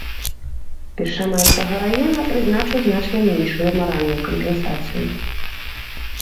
Першамайскага раёна прызначыў значна меншую маральную кампенсацыю.